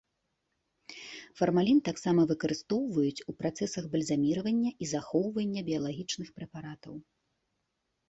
Фармалін таксама выкарыстоўваюць ў працэсах бальзаміравання і захоўвання біялагічных прэпаратаў.